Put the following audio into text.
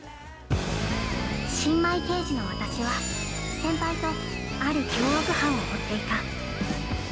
◆新米刑事の私は先輩と、ある凶悪犯を追っていた。